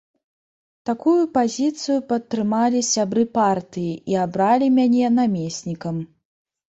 Такую пазіцыю падтрымалі сябры партыі і абралі мяне намеснікам.